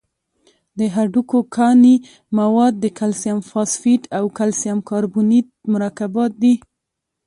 د هډوکو کاني مواد د کلسیم فاسفیټ او کلسیم کاربونیت مرکبات دي.